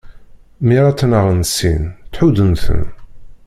Mi ara ttnaɣen sin, ttḥuddu-ten!